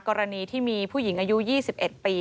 กรณีที่มีผู้หญิงอายุ๒๑ปี